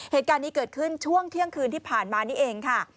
เหตุการณ์นี้เกิดขึ้นช่วงเที่ยงคืนที่ผ่านมานี่เองค่ะ